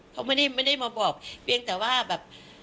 เขาไม่ได้มาบอกเพียงแต่ว่าแบบ